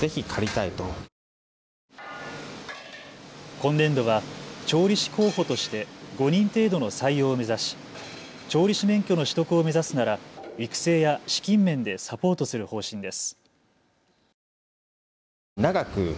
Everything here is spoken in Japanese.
今年度は調理師候補として５人程度の採用を目指し調理師免許の取得を目指すなら育成や資金面でサポートする方針です。